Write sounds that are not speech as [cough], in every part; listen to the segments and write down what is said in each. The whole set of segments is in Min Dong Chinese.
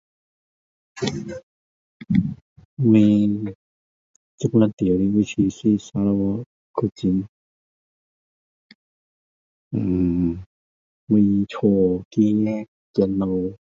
我现在住的位置是砂劳越古晋。【er】我家 [unintelligible]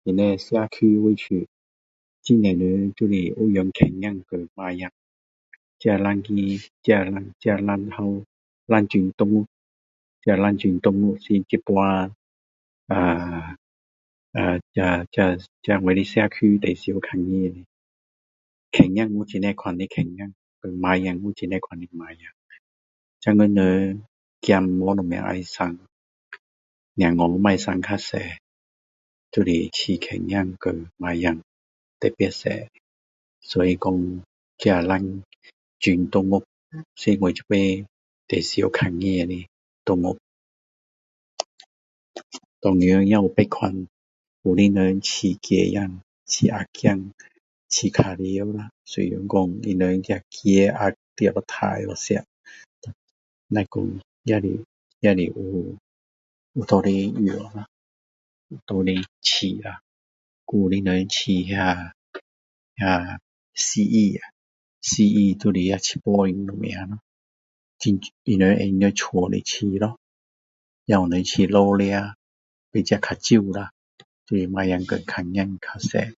那里社区的位置很多人就是有养狗儿和猫儿。这两个，这这两头两种动物，这两种动物是现在[ehh]这这这我的社区最常看见。狗儿有很多款的狗儿，猫儿有很多款的猫儿。现在人，孩子不怎么要生，孩子不生太多。就是养狗儿和猫儿特别多。所以说，这两种动物是我这边最常看见的动物。当然也有别款。有的人养鸡儿，养鸭儿，养玩耍啦。虽然说，他们的鸡鸭杀了吃，但说也是，也是有拿来用啦，拿来养啦。还有的人养那个，那个蜥蜴，蜥蜴就是那个七步应什么咯。他们放在家里养咯。也有人养老蛇，这个比较少啦。就是猫儿和狗儿比较多。